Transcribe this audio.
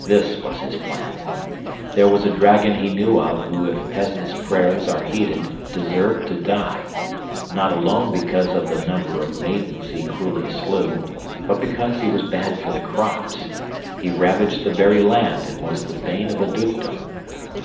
This was his plan: there was a dragon he knew of who if peasants' prayers are heeded deserved to die, not alone because of the number of maidens he cruelly slew, but because he was bad for the crops; he ravaged the very land and was the bane of a dukedom.